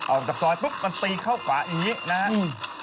ออกจากซอยปุ๊บมันตีเข้าขวาอย่างนี้นะครับ